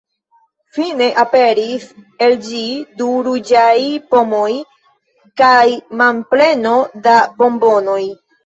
Fine aperis el ĝi du ruĝaj pomoj kaj manpleno da bombonoj.